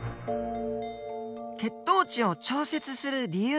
血糖値を調節する理由